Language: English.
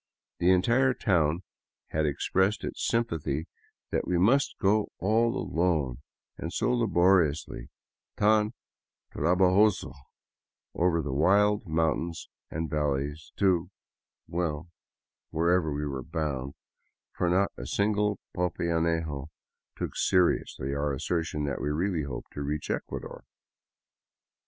The entire town had expressed its sympathy that we must go "all alone and so laboriously — tan trabajoso " over the wild moun tains and valleys to — well, wherever we were bound ; for not a single popayanejo took seriously our assertion that we really hoped to reach Ecuador.